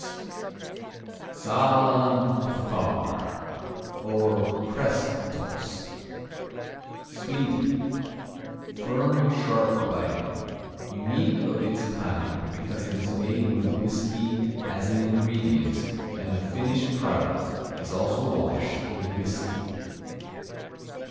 S Saaland Pfarr, or Prestost Sweden Firm; sharp; biting; unique of its kind because it is made with whiskey as an ingredient and the finished product is also washed with whiskey.